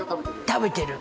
食べてる。